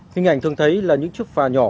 hình ảnh thường thấy là những chức phà nhỏ